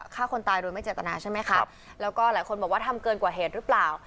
ฆ่าคนตายโดยไม่เจตนาใช่ไหมคะแล้วก็หลายคนบอกว่าทำเกินกว่าเหตุหรือเปล่า